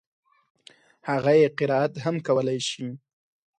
هغه يې قرائت هم کولای شي.